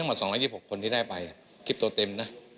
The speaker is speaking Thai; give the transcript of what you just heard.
คือจริงมันมีทั้งหมด๒๒๖คนที่ได้ไปคลิปโตเต็มนะ